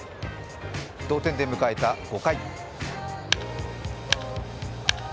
同点で迎えた５回。